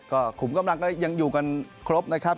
ก็ขุมกำลังก็ยังอยู่กันครบนะครับ